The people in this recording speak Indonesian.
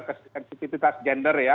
kesehatan gender ya